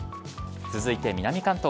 続いて南関東。